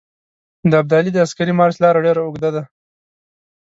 د ابدالي د عسکري مارچ لاره ډېره اوږده ده.